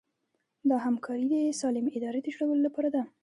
دا همکاري د سالمې ادارې د جوړولو لپاره ده.